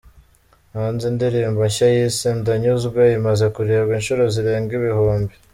hanze indirimbo nshya yise ‘Ndanyuzwe’ imaze kurebwa inshuri zirenga ibihumbi